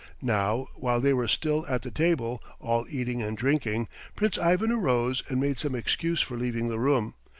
Now while they were still at the table, all eating and drinking, Prince Ivan arose and made some excuse for leaving the room.